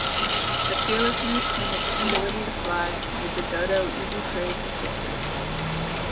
This fearlessness and its inability to fly made the dodo easy prey for sailors.